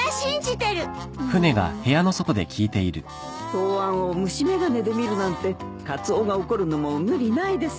答案を虫眼鏡で見るなんてカツオが怒るのも無理ないですよ。